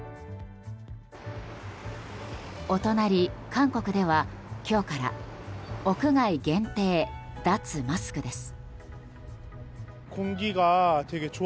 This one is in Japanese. お隣、韓国では今日から屋外限定脱マスクです。